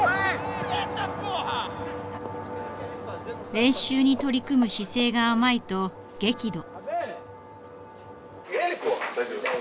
練習に取り組む姿勢が甘いと激怒。